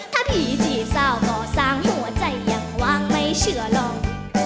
ถ้าผีสี่สาวก่อสร้างหัวใจยังว่างไม่เชื่อลอง